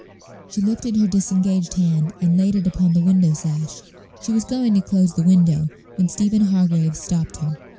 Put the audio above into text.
She lifted her disengaged hand, and laid it upon the window sash; she was going to close the window, when Stephen Hargraves stopped her.